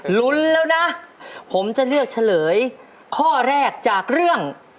ลุ้นแล้วนะผมจะเลือกเฉลยข้อแรกจากเรื่อง